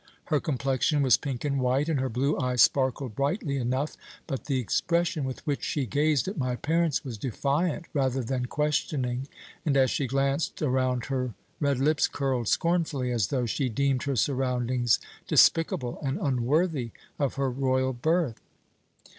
Her complexion was pink and white, and her blue eyes sparkled brightly enough; but the expression with which she gazed at my parents was defiant rather than questioning, and as she glanced around her red lips curled scornfully as though she deemed her surroundings despicable and unworthy of her royal birth.